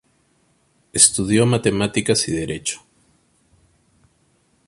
Estudió matemáticas y derecho.